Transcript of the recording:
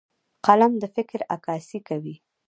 قلم د فکر عکاسي کوي